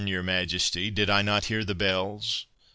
your Majesty; did I not hear the bells?